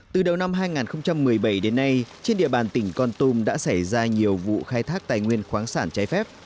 từ đầu năm hai nghìn một mươi bảy đến nay trên địa bàn tỉnh con tum đã xảy ra nhiều vụ khai thác tài nguyên khoáng sản trái phép